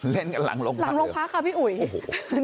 เล่นกันหลังโรงพักค่ะพี่อุ๋ยโอ้โห